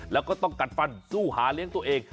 แล้วก็ต้องกัดฟันสู้หาเลี้ยงตัวเอง